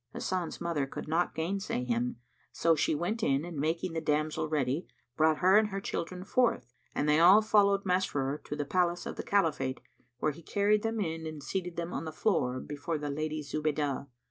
Hasan's mother could not gainsay him; so she went in and making the damsel ready, brought her and her children forth and they all followed Masrur to the palace of the Caliphate where he carried them in and seated them on the floor before the Lady Zubaydah.